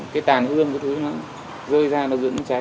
cái tàn hương cái thứ nó rơi ra nó dưỡng cháy